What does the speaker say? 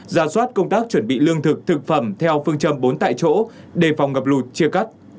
ra soát công tác chuẩn bị lương thực thực phẩm theo phương châm bốn tại chỗ đề phòng ngập lụt chia cắt